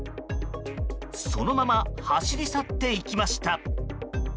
そのまま走り去っていきました。